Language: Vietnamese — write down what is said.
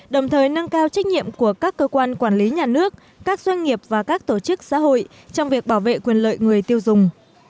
đồng thời nâng cao trách nhiệm của các cơ quan quản lý nhà nước các doanh nghiệp và các tổ chức xã hội trong việc bảo vệ quyền lợi người tiêu dùng